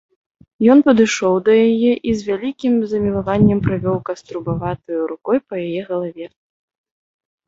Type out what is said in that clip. Ён падышоў да яе і з вялікім замілаваннем правёў каструбаватаю рукою па яе галаве.